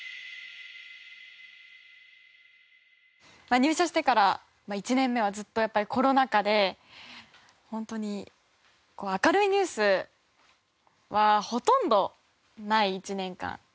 入社してから１年目はずっとやっぱりコロナ禍で本当に明るいニュースはほとんどない１年間。